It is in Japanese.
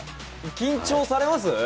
緊張されます？